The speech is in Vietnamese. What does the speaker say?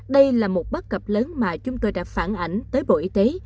đây là một bất cập lớn mà chúng tôi đã phản ảnh tới bộ y tế